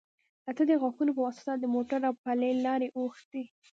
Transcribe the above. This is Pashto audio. ته د غاښو يه واسطه د موټو او پلې لارې اوښتي